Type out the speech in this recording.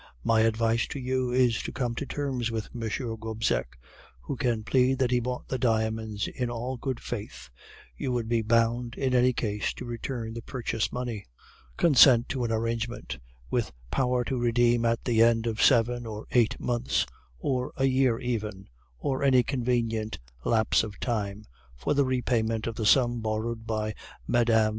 My advice to you is to come to terms with M. Gobseck, who can plead that he bought the diamonds in all good faith; you would be bound in any case to return the purchase money. Consent to an arrangement, with power to redeem at the end of seven or eight months, or a year even, or any convenient lapse of time, for the repayment of the sum borrowed by Mme.